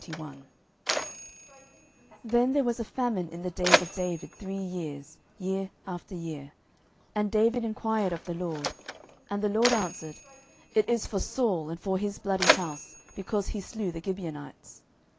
10:021:001 Then there was a famine in the days of David three years, year after year; and David enquired of the LORD. And the LORD answered, It is for Saul, and for his bloody house, because he slew the Gibeonites.